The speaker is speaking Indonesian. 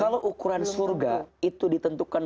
kalau ukuran surga itu ditentukan